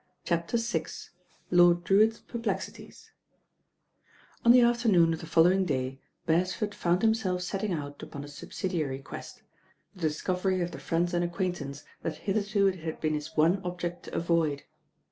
CHAPTER VI LORD DREWITT's PERPLEXITIES ON the afternoon of the following day Beres ford found himself setting out upon a subsidiary quest, the discovery of the friends and acquaintance that hitherto it had been his one object to avoid.